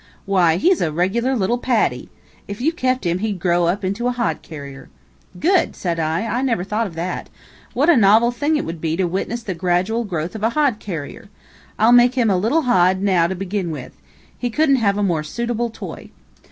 Why, he's a regular little Paddy! If you kept him he'd grow up into a hod carrier." "Good!" said I. "I never thought of that. What a novel thing it would be to witness the gradual growth of a hod carrier! I'll make him a little hod, now, to begin with. He couldn't have a more suitable toy."